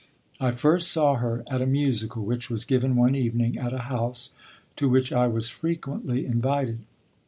I first saw her at a musical which was given one evening at a house to which I was frequently invited.